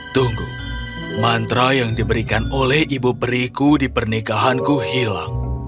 tunggu mantra yang diberikan oleh ibu periku di pernikahanku hilang